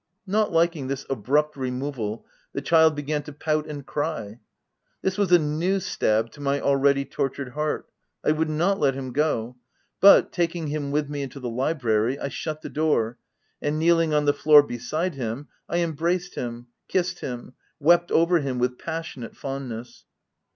Not liking this abrupt removal, the child began to pout and cry. This was a new stab to my already tortured heart. I would not let him go ; but, taking him with me into the library, I shut the door, and, kneeling on the floor beside him, I embraced him, kissed him, wept over him with passionate fondness.